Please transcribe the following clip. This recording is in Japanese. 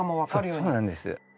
そうなんです。